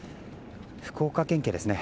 福岡県警ですね。